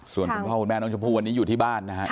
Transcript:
ส่วนคุณพ่อคุณแม่น้องชมพู่วันนี้อยู่ที่บ้านนะครับ